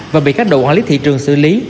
và bị các đội quản lý thị trường xử lý